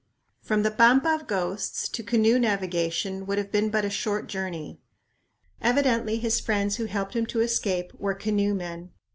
From the "Pampa of Ghosts" to canoe navigation would have been but a short journey. Evidently his friends who helped him to escape were canoe men.